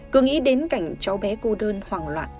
cứ nghĩ đến cảnh cháu bé cô đơn hoàng loạn